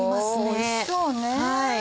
おいしそうね。